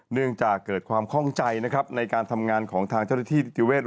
เนื่องจากเกิดความคล่องใจในการทำงานของทางเจ้าหน้าที่ฤทธิเวศ